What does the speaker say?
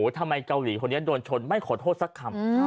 ทำไมเกาหลีคนนี้โดนชนไม่ขอโทษสักคำ